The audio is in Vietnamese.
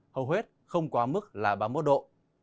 hầu hết không quá mức là ba mươi một độ